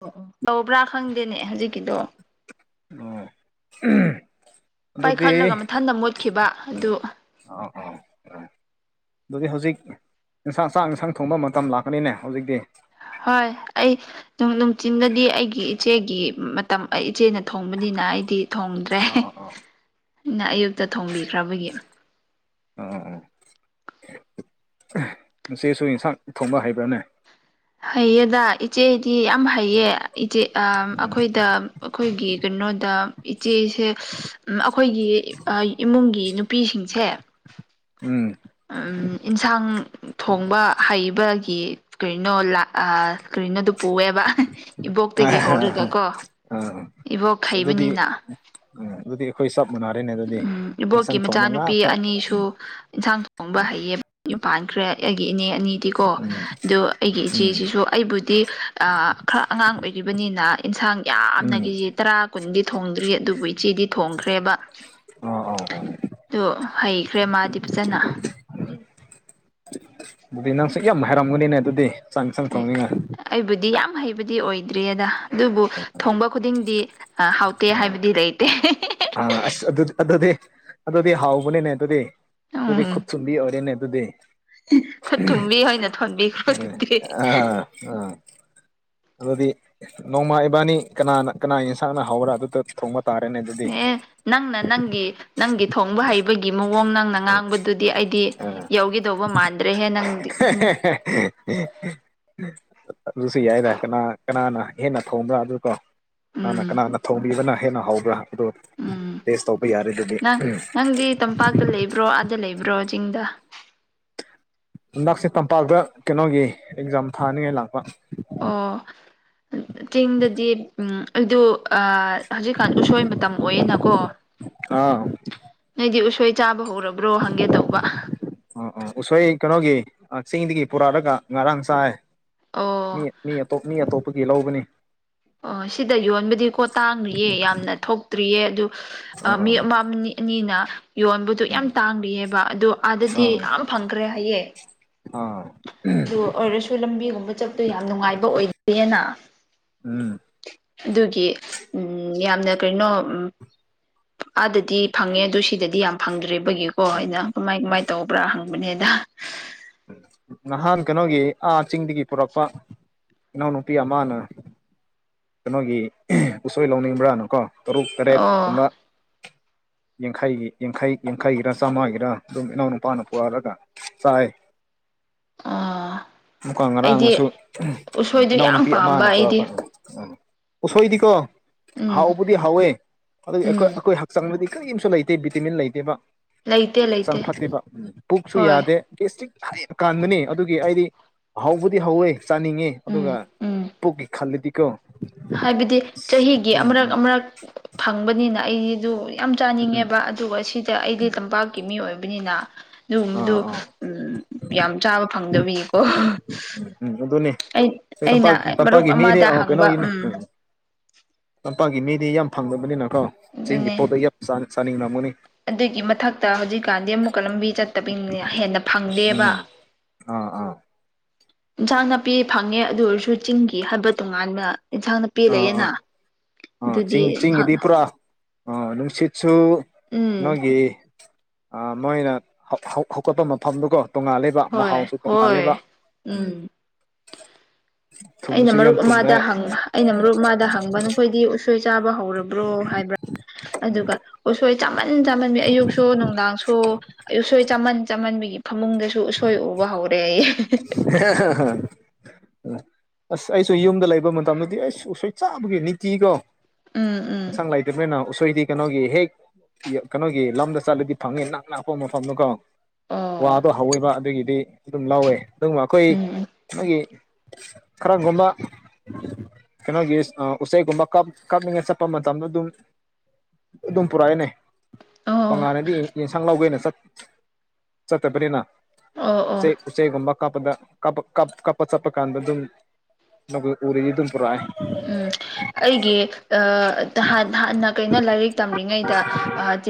ꯑꯣ ꯑꯣ ꯇꯧꯕ꯭ꯔꯥ ꯈꯪꯗꯦꯅꯦ ꯍꯧꯖꯤꯛꯀꯤꯗꯣ ꯑꯣ ꯑꯗꯨꯗꯤ ꯄꯥꯏꯈꯠꯂꯒ ꯃꯊꯟꯇꯪ ꯃꯣꯠꯈꯤꯕ ꯑꯗꯨ ꯑꯥ ꯑꯥ ꯑꯥ ꯑꯗꯨꯗꯤ ꯍꯧꯖꯤꯛ ꯏꯟꯁꯥꯡ ꯆꯥꯛ ꯏꯟꯁꯥꯡ ꯊꯣꯡꯕ ꯃꯇꯝ ꯂꯥꯛꯀꯅꯤꯅꯦ ꯍꯧꯖꯤꯛꯇꯤ ꯅꯨꯡꯆꯤꯟꯗꯗꯤ ꯑꯩꯒꯤ ꯏꯆꯦꯒꯤ ꯃꯇꯝ ꯑꯩ ꯏꯆꯦꯅ ꯊꯣꯡꯕꯅꯤꯅ ꯑꯩꯗꯤ ꯊꯣꯡꯗ꯭ꯔꯦ ꯑꯩꯅ ꯑꯌꯨꯛꯇ ꯊꯣꯡꯕꯤꯈ꯭ꯔꯕꯒꯤ ꯑ ꯑ ꯏꯆꯦꯁꯨ ꯌꯦꯟꯁꯥꯡ ꯊꯣꯡꯕ ꯍꯩꯕ꯭ꯔꯥꯅꯦ ꯍꯩꯌꯦꯗ ꯏꯆꯦꯗꯤ ꯌꯥꯝ ꯍꯩꯌꯦ ꯏꯆꯦ ꯑꯩꯈꯣꯏꯗ ꯑꯩꯈꯣꯏꯒꯤ ꯀꯩꯅꯣꯗ ꯏꯆꯦꯁꯦ ꯑꯩꯈꯣꯏꯒꯤ ꯏꯃꯨꯡꯒꯤ ꯅꯨꯄꯤꯁꯤꯡꯁꯦ ꯎꯝ ꯏꯟꯁꯥꯡ ꯊꯣꯡꯕ ꯍꯩꯕꯒꯤ ꯁ꯭ꯀ꯭ꯔꯤꯅꯣ ꯑ ꯁꯀ꯭ꯔꯤꯅꯣ ꯑꯗꯨꯗꯨ ꯄꯨꯑꯦꯕ ꯏꯕꯣꯛꯇꯒꯤ ꯍꯧꯔꯒ ꯑꯥ ꯀꯣ ꯏꯕꯣꯛ ꯍꯩꯕꯅꯤꯅ ꯎ ꯑꯗꯨꯗꯤ ꯑꯩꯈꯣꯏ ꯁ ꯎꯝ ꯏꯕꯣꯛꯀꯤ ꯃꯆꯥꯅꯨꯄꯤ ꯉꯥꯛꯇ ꯑꯅꯤꯁꯨ ꯏꯟꯁꯥꯡ ꯊꯣꯡꯕ ꯍꯩꯌꯦ ꯄꯥꯟꯈ꯭ꯔꯦ ꯑꯩꯒꯤ ꯏꯅꯦ ꯑꯅꯤꯗꯤꯀꯣ ꯎꯝ ꯑꯗꯨꯗ ꯑꯩꯒꯤ ꯎꯝ ꯏꯆꯦꯁꯤꯁꯨ ꯑꯩꯕꯨꯗꯤ ꯈꯔ ꯑꯉꯥꯡ ꯑꯣꯏꯈꯤꯕꯅꯤꯅ ꯏꯟꯁꯥꯡ ꯌꯥꯝꯅ ꯎꯝ ꯀꯦꯖꯤ ꯇꯔꯥ ꯀꯨꯟꯗꯤ ꯊꯣꯡꯗ꯭ꯔꯤ ꯑꯗꯨꯕꯨ ꯏꯆꯦꯗꯤ ꯊꯣꯡꯈ꯭ꯔꯦꯕ ꯑꯥ ꯑꯥ ꯑꯥ ꯑꯗꯨ ꯍꯩꯈ꯭ꯔꯦ ꯃꯥꯗꯤ ꯐꯖꯅ ꯑꯗꯨꯗꯤ ꯅꯪꯁꯨꯛ ꯌꯥꯝ ꯍꯥꯏꯔꯝꯒꯅꯤꯅꯦ ꯑꯗꯨꯗꯤ ꯆꯥꯛ ꯏꯟꯁꯥꯡ ꯊꯣꯡꯅꯤꯡꯉꯥꯏ ꯑꯩꯕꯨꯗꯤ ꯌꯥꯝ ꯍꯩꯕ ꯍꯥꯏꯕꯗꯤ ꯑꯣꯏꯗ꯭ꯔꯤ ꯑꯗ ꯑꯗꯨꯕꯨ ꯊꯣꯡꯕ ꯈꯨꯗꯤꯡꯗꯤ ꯍꯥꯎꯇꯦ ꯍꯥꯏꯕꯗꯤ ꯂꯩꯇꯦ ꯑ ꯑꯁ ꯑꯗꯨꯗꯤ ꯑꯗꯨꯗꯤ ꯑꯗꯨꯗꯤ ꯍꯥꯎꯕꯅꯦꯅꯦ ꯑꯗꯨꯗꯤ ꯑꯗꯨꯗꯤ ꯎꯝ ꯈꯨꯠ ꯊꯨꯝꯗꯤ ꯑꯣꯏꯔꯦꯅꯦ ꯑꯗꯨꯗ ꯊꯨꯝꯕꯤ ꯑꯣꯏꯅ ꯊꯣꯟꯕꯤꯈ꯭ꯔꯣ ꯑꯗꯨꯗꯤ ꯑ ꯑꯥ ꯑꯗꯨꯗꯤ ꯅꯣꯡꯃꯥ ꯏꯕꯥꯅꯤ ꯀꯅꯥꯅ ꯀꯅꯥ ꯌꯦꯟꯁꯥꯡꯅ ꯍꯧꯔ꯭ꯔꯥ ꯑꯗꯨꯗ ꯊꯣꯡꯕ ꯇꯥꯔꯦꯅꯦ ꯑꯗꯨꯗꯤ ꯑꯦ ꯅꯪꯅ ꯅꯪꯒꯤ ꯅꯪꯒꯤ ꯊꯣꯡꯕ ꯍꯩꯕꯒꯤ ꯃꯑꯣꯡ ꯅꯪꯅ ꯉꯥꯡꯕꯗꯨꯗꯤ ꯑꯩ ꯑꯩꯗꯤ ꯌꯧꯒꯗꯧꯕ ꯃꯥꯟꯗ꯭ꯔꯦꯍꯦ ꯅꯪꯗꯤ ꯎ ꯑꯗꯨ ꯌꯥꯏ ꯔ ꯀꯅ ꯀꯅꯥꯅ ꯍꯦꯟꯅ ꯊꯣꯡꯕ꯭ꯔꯥ ꯑꯗꯨ ꯀꯣ ꯃꯥꯅ ꯎꯝ ꯀꯅꯥꯅ ꯊꯣꯡꯕꯤꯕꯅ ꯍꯦꯟꯅ ꯍꯧꯕ꯭ꯔꯥ ꯑꯗꯨ ꯎꯝ ꯇꯦꯁ ꯇꯧꯕ ꯌꯥꯔꯦ ꯑꯗꯨꯗꯤ ꯅꯪ ꯅꯪꯗꯤ ꯇꯝꯄꯥꯛꯇ ꯂꯩꯕ꯭ꯔꯣ ꯑꯥꯗ ꯂꯩꯕ꯭ꯔꯣ ꯆꯤꯡꯗ ꯂꯟꯗꯛꯁꯦ ꯇꯝꯄꯥꯛꯇ ꯀꯩꯅꯣꯒꯤ ꯑꯦꯛꯖꯥꯝ ꯊꯥꯅꯤꯡꯉꯥꯏ ꯂꯥꯛꯄ ꯑꯣ ꯆꯤꯡꯗꯗꯤ ꯑꯗꯨ ꯍꯧꯖꯤꯛꯀꯥꯟ ꯎꯁꯣꯏ ꯃꯇꯝ ꯑꯣꯏꯌꯦꯅꯀꯣ ꯑꯥ ꯅꯣꯏꯗꯤ ꯎꯁꯣꯏ ꯆꯥꯕ ꯍꯧꯔꯕ꯭ꯔꯣ ꯍꯪꯒꯦ ꯇꯧꯕ ꯑꯣ ꯑꯣ ꯎꯁꯣꯏ ꯀꯩꯅꯣꯒꯤ ꯆꯤꯡꯗꯒꯤ ꯄꯨꯔꯛꯑꯒ ꯉꯔꯥꯡ ꯆꯥꯏ ꯑꯣ ꯃꯤ ꯃꯤꯇꯞ ꯃꯤ ꯑꯇꯣꯞꯄꯒꯤ ꯂꯧꯕꯅꯤ ꯑꯣ ꯁꯤꯗ ꯌꯣꯟꯕꯗꯤ ꯀꯣ ꯇꯥꯡ꯭ꯔꯤꯌꯦ ꯌꯥꯝꯅ ꯊꯣꯛꯇ꯭ꯔꯤꯌꯦ ꯑꯥ ꯑ ꯃꯤ ꯑꯃ ꯑꯅꯤꯅ ꯌꯣꯟꯕꯗꯨ ꯑꯥ ꯌꯥꯝ ꯇꯥꯡꯂꯤꯑꯕ ꯑꯗꯨ ꯑꯥꯗꯗꯤ ꯌꯥꯝ ꯐꯪꯈ꯭ꯔꯦ ꯍꯥꯏꯌꯦꯦ ꯑ ꯑꯗꯨ ꯑꯣꯏꯔꯁꯨ ꯂꯝꯕꯤꯒꯨꯝꯕ ꯆꯠꯄꯨ ꯌꯥꯝ ꯅꯨꯡꯉꯥꯏꯕ ꯑꯣꯏꯗꯦꯅ ꯎꯝ ꯑꯗꯨꯒꯤ ꯎꯝ ꯌꯥꯝꯅ ꯀꯩꯅꯣ ꯎ ꯑꯥꯗꯗꯤ ꯐꯪꯉꯦ ꯑ ꯁꯤꯗꯗꯤ ꯌꯥꯝ ꯐꯪꯗ꯭ꯔꯦꯕ ꯒꯤꯀꯣ ꯑꯩꯅ ꯀꯃꯥꯏ ꯀꯃꯥꯏ ꯇꯧꯕ꯭ꯔꯥ ꯍꯪꯕꯅꯦꯗ ꯅꯍꯥꯟ ꯀꯩꯅꯣꯒꯤ ꯑꯥ ꯆꯤꯡꯗꯒꯤ ꯄꯨꯔꯛꯄ ꯏꯅꯥꯎꯅꯨꯄꯤ ꯑꯃꯅ ꯀꯩꯅꯣꯒꯤ ꯎꯁꯣꯏ ꯂꯧꯅꯤꯡꯕ꯭ꯔꯥꯅꯀꯣ ꯇꯔꯨꯛ ꯇꯔꯦꯠꯀꯨꯝꯕ ꯑꯣ ꯌꯥꯡꯈꯩꯒꯤꯡꯈꯩ ꯌꯥꯡꯈꯩꯒꯤꯔ ꯆꯥꯝꯃꯥꯒꯤꯔ ꯑꯗꯨꯝ ꯏꯅꯥꯎ ꯅꯨꯄꯥꯅ ꯄꯨꯔꯂꯒ ꯆꯥꯏ ꯑꯣ ꯃꯨꯀꯥꯡ ꯑꯩꯗꯤ ꯉꯔꯥꯡꯅꯁꯨꯝ ꯎꯁꯣꯏꯗꯨ ꯌꯥꯝ ꯏꯅꯥꯎꯅꯨꯄꯤ ꯄꯥꯝꯕ ꯑꯃꯅ ꯑꯩꯗꯤ ꯄꯨꯔꯛꯄ ꯎꯝ ꯎꯝ ꯎꯁꯣꯏꯗꯤꯀꯣ ꯎꯝ ꯍꯥꯎꯕꯨꯗꯤ ꯍꯥꯎꯋꯦ ꯑꯗꯨꯗꯤ ꯑꯩꯈꯣꯏ ꯎꯝ ꯑꯩꯈꯣꯏ ꯍꯛꯆꯥꯡꯗꯗꯤ ꯀꯔꯤꯝꯁꯨ ꯂꯩꯇꯦ ꯕꯤꯇꯤꯃꯤꯟ ꯂꯩꯇꯦꯕ ꯂꯩꯇꯦ ꯍꯛꯆꯥꯡ ꯂꯩꯇꯦ ꯐꯠꯇꯦꯕ ꯄꯨꯛꯁꯨ ꯍꯣꯏ ꯌꯥꯗꯦ ꯒꯦꯁꯇ꯭ꯔꯤꯛ ꯍꯥꯏ ꯀꯥꯟꯗꯨꯅꯤ ꯑꯗꯨꯒꯤ ꯑꯩꯗꯤ ꯍꯧꯕꯗꯤ ꯍꯧꯋꯦ ꯆꯥꯅꯤꯡꯉꯤ ꯑꯗꯨꯒ ꯎꯝ ꯎꯝ ꯄꯨꯛꯀꯤ ꯈꯜꯂꯗꯤꯀꯣ ꯍꯥꯏꯕꯗꯤ ꯆꯍꯤꯒꯤ ꯎꯝ ꯑꯃꯨꯔꯛ ꯎꯝ ꯑꯃꯨꯔꯛ ꯐꯪꯕꯅꯤꯅ ꯑꯩꯗꯨ ꯌꯥꯝ ꯎꯝ ꯆꯥꯅꯤꯡꯉꯦꯕ ꯑꯗꯨꯒ ꯁꯤꯗ ꯑꯩꯗꯤ ꯇꯝꯄꯥꯛꯀꯤ ꯃꯤ ꯑꯣꯏꯕꯅꯤꯅ ꯑꯗꯨꯒꯨꯝꯕꯗꯣ ꯑꯥ ꯑꯥ ꯎꯝ ꯌꯥꯝ ꯆꯥꯕ ꯐꯪꯗꯕꯤꯌꯦꯀꯣ ꯑꯗꯨꯅꯦꯄꯥꯛ ꯇꯝꯄꯥꯛꯀꯤ ꯃꯤꯅꯦ ꯑꯃꯗ ꯑ ꯍꯪꯕ ꯀꯩꯅꯣꯒꯤꯅꯦ ꯎꯝ ꯂꯝꯄꯥꯛꯒꯤ ꯃꯤꯗꯤ ꯌꯥꯝ ꯐꯪꯗꯕꯅꯤꯅꯀꯣ ꯆꯤꯡꯒꯤ ꯑꯗꯨꯅꯦ ꯄꯣꯠꯇ ꯌꯥꯝ ꯆꯥꯅꯤꯡꯉꯝꯒꯅꯤ ꯑꯗꯨꯒꯤ ꯃꯊꯛꯇ ꯍꯧꯖꯤꯛꯀꯥꯟꯗꯤ ꯑꯃꯨꯛꯀ ꯂꯝꯕꯤ ꯆꯠꯇꯕꯤꯅꯤꯅꯦ ꯍꯦꯟꯅ ꯐꯪꯗꯦꯕ ꯑꯥ ꯑꯥ ꯏꯟꯁꯥꯡ ꯅꯥꯄꯤ ꯐꯪꯉꯦ ꯑꯗꯨ ꯑꯣꯏꯔꯁꯨ ꯆꯤꯡꯒꯤ ꯍꯥꯏꯕ ꯇꯣꯉꯥꯟꯕ ꯑꯦꯟꯁꯥꯡ ꯄꯤꯤ ꯑꯥ ꯑꯥ ꯂꯩꯌꯦꯅ ꯑꯥ ꯑꯗꯨꯗꯤ ꯆꯤꯡ ꯆꯤꯡꯒꯤꯗꯤ ꯄꯨꯔꯥ ꯑ ꯅꯨꯡꯁꯤꯠꯁꯨꯨ ꯎꯝ ꯅꯒꯦ ꯑ ꯃꯣꯏꯅ ꯍꯧꯒꯠꯄ ꯃꯐꯝꯗꯨꯀꯣ ꯇꯣꯉꯥꯜ ꯂꯩꯕ ꯍꯣꯏ ꯃꯍꯥꯎꯁꯨ ꯇꯣꯉꯥ ꯍꯣꯏ ꯂꯩꯕ ꯎꯝ ꯑꯩꯅ ꯊꯨꯝꯕꯁꯨ ꯌꯥꯝ ꯃꯔꯨꯞ ꯊꯨꯝꯃꯦ ꯑꯃꯗ ꯍꯪꯕ ꯑꯩꯅ ꯃꯔꯨꯞ ꯃꯥꯗ ꯍꯪꯕ ꯅꯈꯣꯏꯗꯤ ꯎꯁꯣꯏ ꯆꯥꯕ ꯍꯧꯔꯕ꯭ꯔꯣ ꯍꯥꯏꯕ꯭ꯔꯥ ꯎꯝ ꯑꯗꯨꯒ ꯎꯁ ꯆꯝꯃꯟ ꯆꯝꯃꯟꯕꯤ ꯑꯌꯨꯛꯁꯨ ꯅꯨꯡꯗꯥꯡꯁꯨ ꯑꯌꯨꯛꯁꯣꯏ ꯆꯝꯃꯟ ꯆꯝꯃꯟꯕꯤꯈꯤꯕ ꯐꯃꯨꯡꯗꯁꯨ ꯎꯁꯣꯏ ꯎꯕ ꯍꯧꯔꯦ ꯑꯩ ꯎ ꯑꯁ ꯑꯩꯁꯨ ꯌꯨꯝꯗ ꯂꯩꯕ ꯃꯇꯝꯗꯗꯤ ꯑꯩ ꯁꯨꯡꯁꯣꯏ ꯆꯥꯕꯒꯤ ꯅꯤꯇꯤ ꯀꯣ ꯎꯝ ꯎꯝ ꯁꯪ ꯂꯥꯏꯇꯃꯦꯅ ꯑꯩꯣꯏꯗꯤ ꯀꯩꯅꯣꯒꯤ ꯍꯦꯛ ꯀꯩꯅꯣꯒꯤ ꯂꯝꯗ ꯆꯠꯂꯗꯤ ꯐꯪꯅꯤ ꯅꯛ ꯅꯛꯄ ꯃꯐꯝꯗꯨꯀꯣ ꯋꯥ ꯑꯣ ꯑꯗꯣ ꯑꯗꯨꯒꯤꯗꯤ ꯑꯗꯨꯝ ꯂꯧꯋꯦ ꯑꯗꯨꯒꯕ ꯑꯩꯈꯣꯏ ꯎꯝ ꯃꯥꯒꯤ ꯀꯈꯔꯥꯒꯟꯝꯕ ꯀꯩꯅꯣꯒꯤ ꯎꯆꯩꯒꯨꯝꯕꯞ ꯀꯞꯅꯤꯡꯉ ꯆꯠꯄ ꯃꯇꯝꯗ ꯑꯗꯨꯝ ꯎꯗꯝꯄꯨꯔꯦꯅꯦ ꯑꯣ ꯇꯣꯉꯥꯟꯅꯗꯤ ꯌꯦꯟꯁꯥꯡ ꯂꯧꯒꯦꯅ ꯆꯠꯇꯕꯅꯤꯅ ꯑꯣ ꯑꯣ ꯎꯆꯦꯛ ꯎꯆꯦꯛꯒꯨꯝꯕ ꯀꯥꯞꯄꯗ ꯀꯥꯞꯄ ꯆꯠꯄ ꯀꯥꯟꯗ ꯑꯗꯨꯝ ꯅ ꯎꯔꯤꯗꯤ ꯎꯝꯄꯔ ꯎꯝ ꯑꯩꯒꯤ ꯍꯥꯟꯅ ꯀꯩꯅꯣ ꯂꯥꯏꯔꯤꯛ ꯇꯝꯔꯤꯉꯩꯗ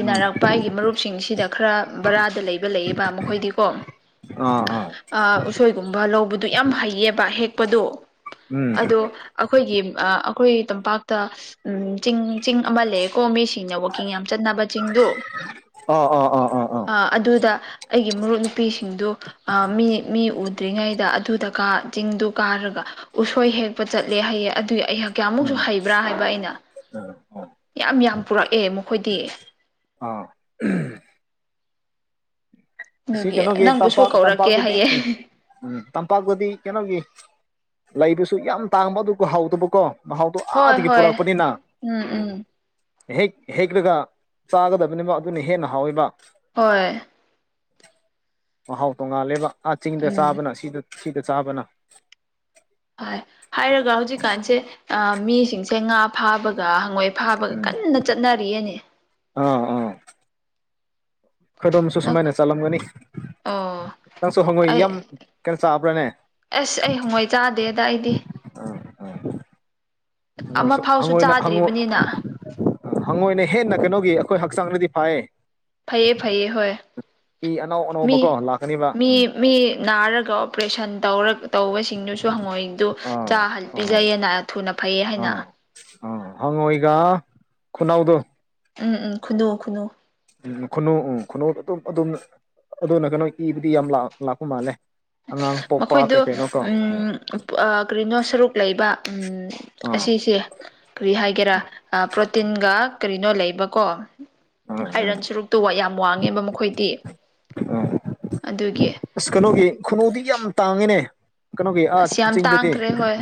ꯎꯝ ꯑꯩ ꯒꯤ ꯃꯔꯨꯞꯁꯤꯡꯁꯤꯗ ꯈꯔ ꯕꯔꯥꯗ ꯂꯩꯕ ꯂꯩꯌꯦꯕ ꯃꯈꯣꯏꯗꯤꯀꯣ ꯑꯥ ꯑꯥ ꯑ ꯎꯁꯣꯏ ꯀꯨꯨꯝꯚꯥ ꯑꯗꯨ ꯌꯥꯝ ꯍꯩꯌꯦꯕ ꯍꯦꯛꯄꯗꯣ ꯎꯝ ꯑꯗꯣ ꯑꯩꯈꯣꯏꯒꯤ ꯑꯩꯈꯣꯏ ꯇꯝꯄꯥꯛꯇ ꯎꯝ ꯆꯤꯡ ꯆꯤꯡ ꯑꯃ ꯂꯩ ꯀꯣ ꯃꯦ ꯁꯤꯅ ꯋꯥꯛꯀꯤꯡ ꯌꯥꯝ ꯆꯠꯅꯕ ꯆꯤꯡꯗꯨ ꯑꯥ ꯑꯥ ꯑꯥ ꯑꯥ ꯑꯥ ꯑꯗꯨꯗ ꯑꯩꯒꯤ ꯃꯔꯨꯞ ꯅꯨꯄꯤꯁꯤꯡꯗꯨ ꯃꯤ ꯃꯤ ꯗ꯭ꯔꯤꯉꯩꯗ ꯑꯗꯨꯗ ꯆꯤꯡꯗꯨ ꯀꯥꯔꯒ ꯎꯁꯣꯏ ꯍꯦꯛꯄ ꯆꯠꯂꯦ ꯍꯥꯏꯌꯦꯦ ꯑꯗꯨꯏ ꯑꯩꯍꯥꯛ ꯎꯝ ꯑꯃꯨꯛꯁꯨ ꯑꯥ ꯍꯩꯕ꯭ꯔꯥ ꯍꯥꯏꯕ ꯑꯩꯅ ꯑꯥ ꯌꯥꯝ ꯌꯥꯝ ꯄꯨꯔꯛꯑꯦ ꯃꯈꯣꯏꯗꯤ [unintelligible] ꯁꯤ ꯑꯗꯨꯒꯤ ꯀꯩꯅꯣꯒꯤ ꯅꯪꯕꯨꯁꯨ ꯇꯝꯄꯥꯛ ꯀꯧꯔꯛꯀꯦ ꯇꯝꯄꯥꯛꯇꯗꯤ ꯍꯥꯏꯌꯦ ꯎꯝ ꯎꯝ ꯇꯝꯄꯥꯛꯇꯗꯤ ꯀꯩꯅꯣꯒꯤ ꯂꯩꯕꯁꯨ ꯌꯥꯝ ꯇꯥꯡꯕ ꯑꯗꯨꯒ ꯍꯥꯎꯗꯕꯀꯣ ꯃꯍꯥꯎꯗꯣ ꯍꯣꯏ ꯑꯥꯗꯒꯤ ꯍꯣꯏ ꯄꯨꯔꯛꯄꯅꯤꯅ ꯎꯝ ꯍꯦꯛ ꯍꯦꯛꯂꯒ ꯆꯥꯒꯗꯕꯅꯦꯕ ꯑꯗꯨꯅ ꯍꯦꯟꯅ ꯍꯥꯎꯋꯕ ꯍꯣꯏ ꯃꯍꯥꯎ ꯇꯣꯡꯉꯥꯜꯂꯦꯕ ꯑꯥ ꯆꯤꯡꯗ ꯎꯝ ꯆꯥꯕꯅ ꯁꯤꯗ ꯁꯤꯀ ꯆꯕꯅ ꯍ ꯍꯥꯏꯔꯒ ꯍꯧꯖꯤꯛꯀꯥꯟꯁꯦ ꯃꯤꯁꯤꯡꯁꯦ ꯉꯥ ꯐꯥꯕꯒ ꯍꯪꯉꯣꯏ ꯐꯥꯕꯒ ꯎꯝ ꯀꯟꯅ ꯆꯠꯅꯔꯤꯑꯅꯦ ꯈꯗꯝꯁꯨ ꯁꯨꯃꯥꯏꯅ ꯆꯂꯝꯒꯅꯤ ꯑꯣ ꯅꯪꯁꯨ ꯍꯪꯉꯨꯏ ꯑꯩ ꯌꯥꯝ ꯀꯩꯅꯣ ꯆꯥꯕ꯭ꯔꯥꯅꯦ ꯍꯥꯏꯗꯤ ꯑ ꯍꯣꯏꯁꯨ ꯐꯥꯎꯁꯨ ꯍꯪꯣꯏꯅ ꯆꯥꯗ꯭ꯔꯤꯕꯅꯤꯅ ꯍꯪꯉꯣꯏꯅ ꯍꯦꯟꯅ ꯀꯩꯅꯣꯒꯤ ꯑꯩꯈꯣꯏ ꯍꯛ ꯆꯥꯡꯂꯤꯗꯤ ꯐꯥꯏꯑꯦ ꯐꯩꯌꯦ ꯐꯩꯌꯦ ꯍꯣꯏ ꯑꯅꯧ ꯃꯤ ꯑꯅꯧꯕꯒ ꯂꯥꯛ ꯃꯤ ꯃꯤ ꯅꯥꯔꯒ ꯑꯣꯄꯔꯦꯁꯟ ꯇꯧꯔ ꯇꯧꯕꯁꯤꯡꯗꯨꯁꯨ ꯍꯪꯉꯣꯏꯗꯨ ꯑꯥ ꯆꯥꯍꯜꯂꯤ ꯑꯥ ꯄꯤꯖꯩꯌꯦꯅ ꯊꯨꯅ ꯐꯩꯌꯦ ꯍꯥꯏꯅ ꯑ ꯍꯪꯉꯣ ꯑꯩꯒ ꯈꯨꯅꯥꯎꯗꯨ ꯎꯝ ꯎꯝ ꯈꯨꯗꯣ ꯈꯨꯗꯣ ꯎꯝ ꯈꯨꯅꯨ ꯎꯝ ꯈꯨꯟꯅꯨꯗ ꯑꯗꯨꯝ ꯑꯗꯨꯝ ꯑꯗꯨꯅ ꯀꯩꯅꯣ ꯏꯕꯨꯗꯤ ꯌꯥꯝ ꯂꯥꯛꯄ ꯃꯥꯜꯂꯦ ꯑꯉꯥꯡ ꯄꯣꯛꯄ ꯃꯈꯣꯏꯗ ꯀꯩ ꯀꯩꯅꯣ ꯀꯣ ꯎꯝ ꯀꯔꯤꯅꯣ ꯁꯔꯨꯛ ꯂꯩꯕ ꯎꯝ ꯑꯥ ꯑꯁꯤꯁꯦ ꯀꯔꯤ ꯍꯥꯏꯒꯦꯔꯥ ꯄ꯭ꯔꯣꯇꯤꯟꯒ ꯀꯔꯤꯅꯣ ꯂꯩꯕꯀꯣ ꯎꯝ ꯎꯝ ꯑꯥꯏꯔꯟ ꯁꯔꯨꯛꯇꯨ ꯋꯥ ꯌꯥꯝ ꯋꯥꯡꯉꯦꯕ ꯃꯈꯣꯏꯗꯤ ꯎꯝ ꯑꯗꯨꯒꯤ ꯑꯁ ꯀꯩꯅꯣꯒꯤ ꯈꯨꯅꯨꯗꯤ ꯌꯥꯝ ꯇꯥꯡꯉꯤꯅꯦ ꯀꯩꯅꯣꯒꯤ ꯑ ꯑꯁ ꯌꯥꯝ ꯆꯤꯡꯗꯗꯤ ꯇꯥꯡꯈ꯭ꯔꯦ ꯍꯣꯏ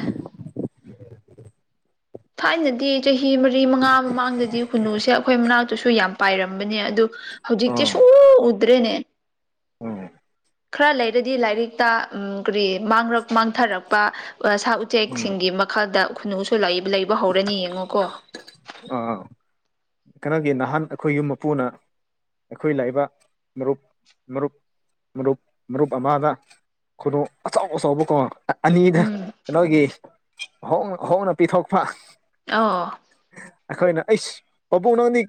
ꯊꯥꯏꯅꯗꯤ ꯆꯍꯤ ꯃꯔꯤ ꯃꯉꯥ ꯃꯃꯥꯡꯗꯗꯤ ꯈꯨꯟꯅꯨꯁꯦ ꯑꯩꯈꯣꯏ ꯃꯅꯥꯛꯛꯇ ꯑꯗꯨꯁꯨ ꯌꯥꯝ ꯄꯥꯏꯔꯝꯕꯅꯦ ꯑꯗꯨ ꯍꯧꯖꯤꯛꯇꯤ ꯑꯥ ꯁꯨ ꯎꯗ꯭ꯔꯦꯅꯦ ꯎꯝ ꯈꯔ ꯂꯩꯔꯗꯤ ꯂꯥꯏꯔꯤꯛꯇ ꯀꯔꯤ ꯃꯥꯡꯔꯛ ꯃꯥꯡꯊꯔꯛꯄ ꯁꯥ ꯎꯝ ꯎꯆꯦꯛꯁꯤꯡꯒꯤ ꯃꯈꯜꯗ ꯈꯨꯅꯨꯁꯨ ꯂꯩꯕ ꯍꯧꯔꯅꯤ ꯌꯦꯡꯉꯣꯀꯣ ꯑꯥ ꯀꯩꯅꯣꯒꯤ ꯅꯍꯥꯟ ꯑꯩꯈꯣꯏ ꯌꯨꯝ ꯃꯄꯨꯅ ꯑꯩꯈꯣꯏ ꯂꯥꯛꯏꯕ ꯃꯔꯨꯞ ꯃꯔꯨꯞ ꯃꯔꯨꯞ ꯃꯔꯨꯞ ꯑꯃꯗ ꯈꯨꯅꯨ ꯑꯆꯥꯎ ꯑꯆꯥꯎꯕ ꯀꯣꯡꯉ ꯑꯅꯤꯗ ꯎꯝ ꯀꯩꯅꯣꯒꯤꯣꯡ ꯍꯣꯡꯅ ꯄꯤꯊꯣꯛꯄ ꯑꯣ ꯑꯩꯈꯣꯏꯅ ꯑꯩꯁ ꯄꯥꯕꯨꯡ ꯅꯪꯗꯤ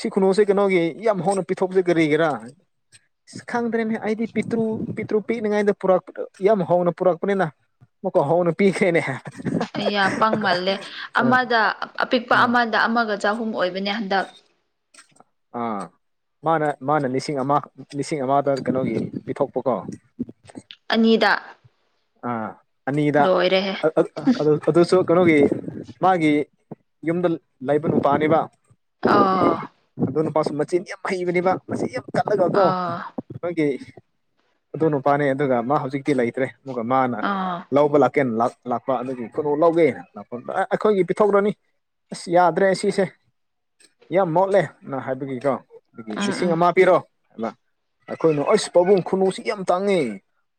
ꯁꯤ ꯈꯨꯅꯨꯁꯦ ꯀꯩꯅꯣꯒꯤ ꯌꯥꯝ ꯍꯧꯅ ꯄꯤꯊꯣꯛꯄꯁꯦ ꯀꯔꯤꯒꯤꯔꯥ ꯑ ꯈꯪꯗ꯭ꯔꯦꯅꯦ ꯑꯩꯗꯤ ꯄꯤꯇ꯭ꯔꯨ ꯄꯤꯇ꯭ꯔꯨ ꯄꯤꯛꯅꯤꯉꯥꯏꯗ ꯄꯨꯔꯛꯄ ꯌꯥꯝ ꯍꯧꯅ ꯄꯨꯔꯛꯄꯅꯤꯅ ꯃꯀꯣ ꯍꯧꯅ ꯄꯤꯈꯦꯅꯦ ꯌꯥ ꯄꯪꯃꯜꯂꯦ ꯑꯃꯗ ꯑꯄꯤꯛꯄ ꯑꯃꯗ ꯑꯃꯒ ꯆꯍꯨꯝ ꯑꯣꯏꯕꯅꯦ ꯍꯟꯗꯛ ꯑꯥ ꯃꯥꯅ ꯃꯥꯅ ꯂꯤꯁꯤꯡ ꯑꯃ ꯂꯤꯁꯤꯡ ꯑꯃꯗ ꯀꯩꯅꯣꯒꯤ ꯄꯤꯊꯣꯛꯄꯀꯣ ꯑꯅꯤꯗ ꯑꯅꯤꯗ ꯂꯣꯏꯔꯦꯍꯦ ꯑꯗꯨꯁꯨ ꯀꯩꯅꯣꯒꯤ ꯃꯥꯒꯤ ꯌꯨꯝꯗ ꯂꯩꯕ ꯅꯨꯄꯥꯅꯤꯕ ꯑ ꯑꯗꯣ ꯅꯨꯄꯥꯁꯨ ꯃꯆꯤꯟ ꯌꯥꯝ ꯍꯩꯕꯅꯤꯕ ꯃꯆꯤꯟ ꯌꯥꯝ ꯆꯠꯂꯒ ꯑꯗꯣ ꯑꯥ ꯅꯈꯣꯏꯒꯤ ꯑꯗꯨ ꯅꯨꯄꯥꯅꯦ ꯑꯗꯨꯒ ꯃꯥ ꯍꯧꯖꯤꯛꯇꯤ ꯂꯩꯇ꯭ꯔꯦ ꯑꯃ ꯃꯥꯅ ꯑꯥ ꯂꯧꯕ ꯂꯥꯛ ꯆꯤꯀꯦꯟ ꯂꯥꯛꯄ ꯑꯗꯨꯗꯒꯤ ꯀꯩꯅꯣ ꯂꯧꯒꯦꯅ ꯂꯥꯛꯄ ꯑꯩꯈꯣꯏꯒꯤ ꯄꯤꯊꯣꯛꯔꯅꯤ ꯑꯁ ꯌꯥꯗ꯭ꯔꯦ ꯁꯤꯁꯦ ꯌꯥꯝ ꯃꯣꯠꯂꯦ ꯅ ꯍꯥꯏꯕꯒꯤꯀꯣ ꯑꯗꯨ ꯎꯝ ꯂꯤꯁꯤꯡ ꯎꯝ ꯑꯃ ꯄꯤꯔꯣ ꯑꯩꯈꯣꯏꯅꯨ ꯑꯩꯁ ꯄꯥꯕꯨꯡ ꯈꯨꯅꯨꯁꯤ ꯌꯥꯝ ꯇꯥꯡꯉꯤ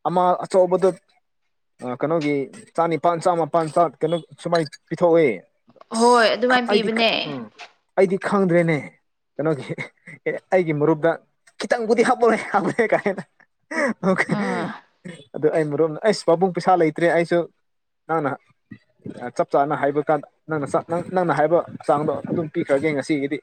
ꯑꯃ ꯑꯆꯧꯕꯗ ꯀꯩꯅꯣꯒꯤ ꯆꯥꯅꯤꯄꯥꯥꯟ ꯆꯥꯝꯃꯄꯜ ꯀꯩꯅꯣ ꯁꯨꯃꯥꯏꯅ ꯄꯤꯊꯣꯛꯏ ꯍꯣꯏ ꯑꯁ ꯑꯗꯨꯃꯥꯏꯅ ꯑꯩꯗꯤ ꯄꯤꯕꯅꯦ ꯎꯝ ꯑꯩꯗꯤ ꯈꯪꯗ꯭ꯔꯦꯅꯦ ꯀꯩꯅꯣꯒꯤ ꯑꯦ ꯑꯩꯒꯤ ꯃꯔꯨꯞꯇ ꯈꯤꯇꯪꯕꯨꯗꯤ ꯍꯥꯞꯄꯂꯦ ꯍꯥꯞꯂꯛꯦ ꯀꯥꯏ ꯍꯦꯅ ꯑꯣꯦ ꯎꯝ ꯑꯗꯨ ꯑꯩ ꯃꯔꯨꯞ ꯑꯩꯁ ꯄꯥꯕꯨꯡ ꯄꯩꯁꯥ ꯂꯩꯇ꯭ꯔꯦ ꯑꯩꯁꯨ ꯅꯪꯅ ꯆꯞ ꯆꯥꯅ ꯍꯥꯏꯕ ꯀꯥꯟꯗ ꯅꯪꯅ ꯅꯪꯅ ꯍꯥꯏꯕ ꯆꯥꯡꯗꯣ ꯑꯗꯨꯝ ꯄꯤꯈ꯭ꯔ ꯌꯦꯡ ꯉꯁꯤꯒꯤꯗꯤ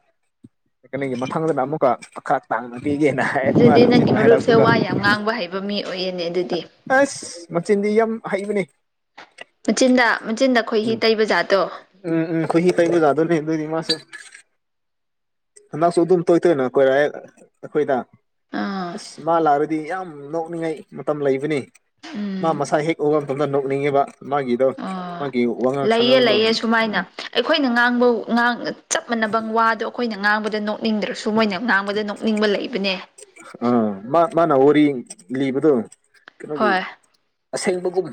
ꯀꯩꯅꯣꯒꯤ ꯃꯊꯪꯗꯅ ꯑꯃꯨꯛꯀ ꯄꯥ ꯇꯥꯡꯅ ꯄꯤꯒꯦꯅ ꯍꯥꯏ ꯑꯗꯨ ꯃꯥꯔ ꯑꯗꯨꯗꯤ ꯅꯪꯒꯤ ꯆꯤꯅ ꯃꯔꯨꯞꯁꯦ ꯍꯥꯏꯔꯥꯛꯄꯒ ꯋꯥ ꯌꯥꯝ ꯉꯥꯡꯕ ꯍꯩꯕ ꯃꯤ ꯑꯣꯏꯌꯦꯅꯦ ꯑꯗꯨꯗꯤ ꯑꯁ ꯃꯆꯤꯟꯗꯤ ꯌꯥꯝ ꯍꯩꯕꯅꯦ ꯃꯆꯤꯟꯗ ꯃꯆꯤꯟꯗ ꯑꯩꯈꯣꯏ ꯍꯤ ꯇꯩꯕ ꯖꯥꯠꯇꯣ ꯎꯝ ꯎꯝꯈꯣꯏꯍꯤ ꯀꯩꯅꯗ ꯂꯩ ꯑꯗꯨꯅꯤ ꯃꯥꯁꯦ ꯍꯟꯗꯛꯁꯨ ꯑꯗꯨꯝ ꯇꯣꯏ ꯇꯣꯏꯅ ꯀꯣꯏꯔꯑꯦ ꯑꯩꯈꯣꯏꯗ ꯑꯥ ꯑꯁ ꯃꯥ ꯂꯥꯛꯔꯗꯤ ꯌꯥꯝ ꯅꯣꯛꯅꯤꯡꯉꯥꯏ ꯃꯇꯝ ꯂꯩꯕꯅꯤ ꯃꯥ ꯎꯝ ꯃꯁꯥ ꯍꯦꯛ ꯎꯕ ꯃꯇꯝꯗ ꯅꯣꯛꯅꯤꯡꯉꯤꯕ ꯃꯥꯒꯤꯗꯣ ꯑꯣ ꯃꯥꯒꯤ ꯋꯥꯉꯥꯡ ꯂꯩꯌꯦ ꯁꯉꯥꯡꯗꯣ ꯂꯩꯌꯦ ꯁꯨꯃꯥꯏꯅ ꯑꯩꯈꯣꯏꯅ ꯉꯥꯡꯕꯥꯡ ꯆꯞ ꯃꯥꯟꯅꯕ ꯋꯥꯗꯣ ꯑꯩꯈꯣꯏꯅ ꯉꯥꯡꯕꯗ ꯅꯣꯛꯅꯤꯡꯗ꯭ꯔꯁꯨ ꯃꯣꯏꯅ ꯉꯥꯡꯕꯗ ꯅꯣꯛꯅꯤꯡꯕ ꯂꯩꯕꯅꯦ ꯑꯥ ꯃꯥ ꯃꯥꯅ ꯋꯥꯔꯤ ꯂꯤꯕꯗꯣ ꯀꯩꯅꯣꯒꯤ ꯍꯣꯏ ꯑꯁꯦꯡꯕꯒꯨꯝ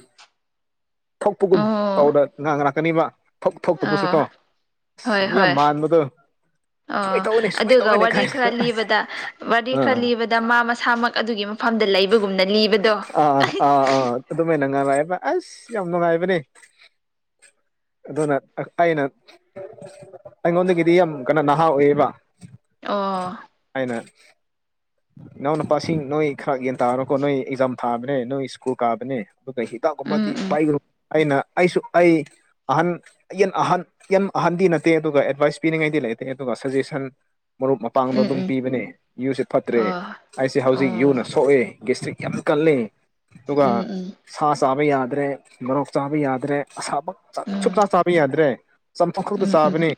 ꯊꯣꯛꯄꯒꯨꯝ ꯑꯣ ꯇꯧꯗ ꯉꯥꯡ ꯂꯥꯛꯀꯅꯤꯕ ꯊꯛ ꯊꯣꯛꯇꯕꯁꯨꯀꯣ ꯑꯥ ꯑꯁ ꯌꯥꯝ ꯃꯥꯟꯕꯗꯣ ꯑꯣ ꯁꯨꯃꯥꯏꯅ ꯇꯧꯋꯦꯅꯦ ꯁꯨꯃꯥꯏꯅ ꯑꯗꯨꯒ ꯇꯧꯋꯦꯅꯦ ꯋꯥꯔꯤ ꯈꯔ ꯀꯥꯏꯅꯒ ꯑꯁ ꯂꯤꯕꯗ ꯋꯥꯔꯤ ꯑꯥ ꯈꯔ ꯂꯤꯕꯗ ꯗ ꯃꯥ ꯃꯁꯥꯃꯛ ꯑꯗꯨꯒꯤ ꯃꯐꯝꯗ ꯂꯩꯕꯒꯨꯝꯅ ꯂꯤꯕꯗꯣ ꯑꯥ ꯑꯥ ꯑꯥ ꯑꯗꯨꯃꯥꯏꯅ ꯉꯉꯥꯏꯕ ꯑꯁ ꯌꯥꯝ ꯅꯨꯡꯉꯥꯏꯕꯅꯦ ꯑꯗꯨꯅ ꯑꯩꯅ ꯑꯩꯉꯣꯟꯗꯒꯤꯗꯤ ꯌꯥꯝ ꯀꯩꯅꯣ ꯅꯍꯥ ꯑꯣꯏꯕ ꯑꯣ ꯑꯏꯅ ꯏꯅꯥꯎ ꯅꯨꯄꯥꯁꯤꯡ ꯅꯣꯏ ꯈꯔ ꯌꯦꯒꯟ ꯇꯥꯔꯔꯣꯀꯣ ꯅꯣꯏ ꯑꯦꯛꯖꯥꯝ ꯊꯥꯕꯅꯦ ꯅꯣꯏ ꯁ꯭ꯀꯨꯜ ꯀꯥꯕꯅꯦ ꯑꯗꯨꯒ ꯎꯝ ꯍꯤꯗꯥꯛꯒꯨꯝꯕꯗꯤ ꯎꯝ ꯄꯥꯏꯒꯅꯨ ꯑꯩꯅ ꯑꯩꯁꯨ ꯑꯩ ꯑꯍꯟꯟ ꯑꯍꯟꯟ ꯑꯍꯟꯗꯤ ꯅꯠꯇꯦ ꯑꯗꯨꯒ ꯑꯦꯗꯚꯥꯏꯁ ꯄꯤꯅꯤꯡꯉꯩꯗꯤ ꯂꯩꯇꯦ ꯑꯗꯨꯒ ꯁꯖꯦꯁꯟ ꯃꯔꯨꯞ ꯃꯄꯥꯡꯗꯣ ꯎꯝ ꯑꯗꯨꯝ ꯎꯝ ꯄꯤꯕꯅꯦ ꯌꯨꯁꯦ ꯐꯠꯇ꯭ꯔꯦ ꯍꯣꯏ ꯍꯣꯏ ꯑꯩꯁꯦ ꯍꯧꯖꯤꯛ ꯑꯣ ꯌꯨꯅ ꯁꯣꯛꯑꯦ ꯗꯤꯁꯇ꯭ꯔꯤꯛ ꯌꯥꯝ ꯀꯜꯂꯤ ꯎꯝ ꯎꯝ ꯁꯥ ꯆꯥꯕ ꯌꯥꯗ꯭ꯔꯦ ꯃꯣꯔꯣꯛ ꯆꯥꯕ ꯌꯥꯗ꯭ꯔꯦ ꯑꯁꯥꯃꯛ ꯎꯝ ꯁꯨꯞꯇꯥ ꯆꯥꯕ ꯌꯥꯗ꯭ꯔꯦ ꯆꯥꯝꯊꯣꯛ ꯗ ꯎꯝ ꯎꯝ ꯁꯥꯕꯅꯦ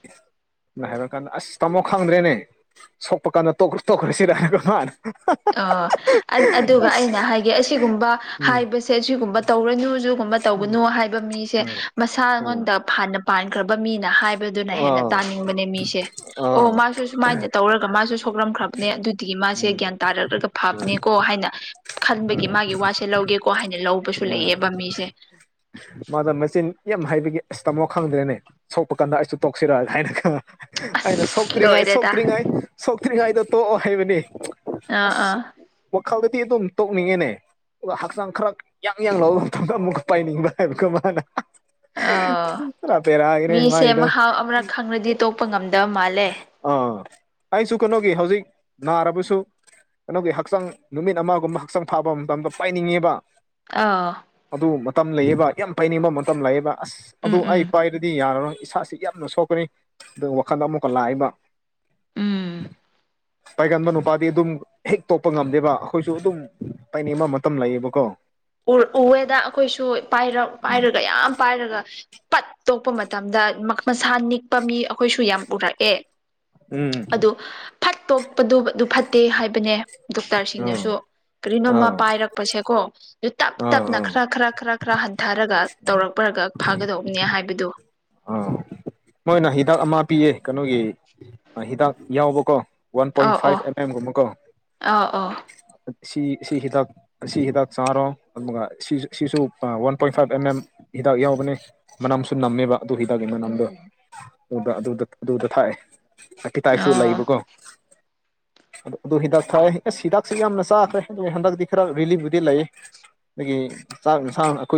ꯍꯥꯏꯔ ꯀꯥꯟꯗ ꯑꯁ ꯇꯥꯃꯣ ꯈꯪꯗ꯭ꯔꯦꯅꯦ ꯁꯣꯛꯄ ꯀꯥꯟꯗ ꯇꯣꯛꯈ꯭ꯔꯣ ꯇꯣꯛꯈ꯭ꯔꯦ ꯁꯤ ꯔꯥꯅꯤꯀꯨꯃꯥꯔ ꯑꯣ ꯑꯗꯨꯒ ꯑꯩꯅ ꯍꯥꯏꯒꯦ ꯑꯁꯤꯒꯨꯝꯕ ꯍꯥꯏꯕꯁꯦ ꯑꯁꯤꯒꯨꯝꯕ ꯇꯧꯔꯅꯨ ꯑꯗꯨꯒꯨꯝꯕ ꯇꯧꯒꯅꯨ ꯍꯥꯏꯕ ꯃꯤꯁꯦ ꯃꯁꯥꯉꯣꯟꯗ ꯐꯥꯟꯅ ꯄꯥꯟꯈ꯭ꯔꯕ ꯃꯤꯅꯤ ꯍꯥꯏꯕꯗꯨꯅ ꯍꯦꯟꯅ ꯇꯥꯅꯤꯡꯕꯅꯦ ꯃꯤꯁꯦ ꯑꯣ ꯃꯥꯁꯨ ꯁꯨꯃꯥꯏꯅ ꯇꯧꯔꯒ ꯃꯥꯁꯨ ꯁꯣꯛꯂꯝꯈ꯭ꯔꯕꯅꯦ ꯑꯗꯨꯗꯒꯤ ꯃꯥꯁꯦ ꯒ꯭ꯌꯥꯟ ꯇꯥꯔꯛꯂꯒ ꯐꯥꯞꯅꯦꯀꯣ ꯍꯥꯏꯅ ꯈꯟꯕꯒꯤ ꯃꯥꯒꯤ ꯋꯥꯁꯦ ꯂꯧꯒꯦꯀꯣ ꯍꯥꯏꯅ ꯂꯧꯕꯁꯨ ꯂꯩꯌꯦꯦꯕ ꯃꯤꯁꯦ [inaudible] ꯃꯥꯗ ꯃꯆꯤꯟ ꯌꯥꯝ ꯍꯥꯏꯕꯒꯤ ꯑꯁ ꯇꯥꯃꯣ ꯈꯪꯗ꯭ꯔꯦꯅꯦ ꯁꯣꯛꯄ ꯀꯥꯟꯗ ꯑꯩꯁꯨ ꯇꯣꯛꯁꯤꯔ ꯍꯥꯏꯅ ꯈ ꯑꯩꯅ ꯑꯁ ꯁꯣꯛꯇ꯭ꯔꯤꯉꯥꯏ ꯂꯣꯏꯔꯦꯗ ꯁꯣꯛꯇ꯭ꯔꯤꯉꯥꯏ ꯁꯣꯛꯇ꯭ꯔꯤꯉꯩꯗꯣ ꯇꯣꯛꯑꯣ ꯍꯥꯏꯕꯅꯤ ꯑꯥ ꯑꯥ ꯑꯁ ꯈꯜꯗꯗꯤ ꯑꯗꯨꯝ ꯇꯣꯛꯅꯤꯡꯉꯦꯅꯦ ꯑꯗꯨꯒ ꯍꯛꯆꯥꯡ ꯈꯔ ꯌꯥꯡ ꯌꯥꯡ ꯂꯕ ꯃꯇꯝꯗ ꯑꯃꯨꯛꯀ ꯄꯥꯏꯅꯤꯡꯕ ꯍꯥꯏꯕ ꯀꯃꯅ ꯑꯣ ꯃꯤꯁꯦꯥꯎ ꯃꯥꯒꯤꯗꯣ ꯑꯃꯔꯛ ꯈꯪꯅꯗꯤ ꯇꯣꯛꯄ ꯉꯝꯗꯕ ꯃꯥꯜꯂꯦ ꯑ ꯑꯩꯥꯏꯁꯨꯨ ꯈ ꯅꯒꯦ ꯍꯧꯖꯤꯛ ꯅꯥꯔꯕꯁꯨ ꯀꯩꯅꯣꯒꯤ ꯍꯛꯆꯥꯡ ꯅꯨꯃꯤꯠ ꯑꯃꯒꯨꯝꯕ ꯍꯛꯆꯥꯡ ꯐꯥꯕ ꯃꯇꯝꯗ ꯄꯥꯏꯅꯤꯡꯉꯦꯕ ꯑꯥ ꯑꯗꯨ ꯃꯇꯝ ꯂꯩꯑꯕ ꯌꯥꯝ ꯇꯥꯏꯅꯤꯡꯕ ꯃꯇꯝ ꯂꯩꯑꯦꯕ ꯑꯁ ꯑꯗꯨ ꯎꯝ ꯑꯩ ꯎꯝ ꯄꯥꯏꯔꯗꯤ ꯌꯥꯔꯔꯣꯏ ꯏꯁꯥꯁꯤ ꯌꯥꯝꯅ ꯁꯣꯛꯀꯅꯤ ꯑꯗꯨꯒ ꯋꯥꯈꯟꯗ ꯑꯃꯨꯛꯀ ꯂꯥꯛꯏꯕ ꯎꯝ ꯇꯥꯏꯒꯟꯕ ꯅꯨꯄꯥꯗꯤ ꯑꯗꯨꯝ ꯍꯦꯛ ꯇꯣꯛꯄ ꯉꯝꯗꯦꯕ ꯑꯩꯈꯣꯏꯁꯨ ꯑꯗꯨꯝ ꯇꯥꯏꯅꯦꯛ ꯑꯃ ꯃꯇꯝ ꯂꯩꯌꯦꯕꯀꯣ ꯎꯋꯦꯗ ꯑꯩꯈꯣꯏꯁꯨ ꯄꯥꯏꯔꯒ ꯌꯥꯝ ꯄꯥꯏꯔꯒ ꯄꯠ ꯇꯣꯛꯄ ꯃꯇꯝꯗ ꯃꯁꯥ ꯅꯤꯛꯄ ꯃꯤ ꯑꯩꯈꯣꯏꯁꯨ ꯌꯥꯝ ꯎꯔꯛꯑꯦ ꯎꯝ ꯑꯗꯨ ꯐꯠꯇꯣꯛꯄꯗꯨ ꯑꯗꯨ ꯐꯠꯇꯦ ꯍꯥꯏꯕꯅꯦ ꯑꯥ ꯗꯣꯛꯇꯔꯁꯤꯡꯅꯁꯨ ꯀꯔꯤꯅꯣꯝꯃ ꯑꯥ ꯄꯥꯏꯔꯛꯄꯁꯦꯀꯣ ꯑꯗꯨ ꯇꯞ ꯑꯥ ꯇꯞꯅ ꯑꯥ ꯈꯔ ꯈꯔ ꯈꯔ ꯈꯔ ꯍꯟꯊꯔꯒ ꯇꯧꯔꯛꯄꯔꯒ ꯐꯥꯒꯗꯧꯕꯅꯦ ꯍꯥꯏꯕꯗꯨ ꯑꯥ ꯃꯣꯏꯅ ꯍꯤꯗꯥꯛ ꯑꯃ ꯄꯤꯌꯦ ꯀꯩꯅꯣꯒꯤ ꯍꯤꯗꯥꯛ ꯌꯥꯎꯕꯀꯣ ꯋꯥꯟ ꯄꯣꯏꯟ ꯑꯧ ꯑꯧ ꯐꯥꯏꯚ ꯑꯦꯝ ꯑꯦꯝꯒꯨꯝꯕ ꯀꯣ ꯑꯧ ꯑꯧ ꯁꯤ ꯁꯤ ꯍꯤꯗꯥꯛ ꯁꯤ ꯍꯤꯗꯥꯛ ꯆꯥꯔꯣ ꯑꯗꯨꯒꯁꯨ ꯁꯤꯁꯨ one point five M M ꯍꯤꯗꯥꯛ ꯌꯥꯎꯕꯅꯦ ꯃꯅꯝꯁꯨ ꯅꯝꯃꯦꯕ ꯑꯗꯨ ꯍꯤꯗꯥꯛꯀꯤ ꯎꯝ ꯃꯅꯥꯝꯗꯣ ꯎꯝ ꯑꯗꯨꯗ ꯑꯗꯨꯗ ꯑꯗꯨꯗ ꯊꯥꯛꯑꯦꯀꯤꯇꯥꯏꯁꯨ ꯑꯣ ꯂꯩꯕꯀꯣ ꯑꯗꯨ ꯑꯗꯨ ꯍꯤꯗꯥꯛ ꯊꯥꯛꯑꯦ ꯑꯁ ꯍꯤꯗꯥꯛꯁꯨ ꯌꯥꯝꯅ ꯆꯥꯈ꯭ꯔꯦ ꯑ ꯍꯟꯗꯛꯇꯤ ꯈꯔ ꯔꯤꯂꯤꯐꯕꯨꯨꯗꯤ ꯂꯩ ꯑꯗꯒꯤ ꯅ ꯑꯩꯣꯏ